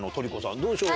どうでしょう？